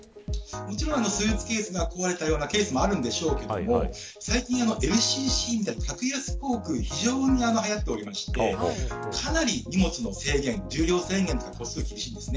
スーツケースが壊れたようなケースもあるんでしょうけど最近ＬＣＣみたいな格安航空が非常にはやっておりましてかなり荷物の制限重量制限、個数が厳しいです。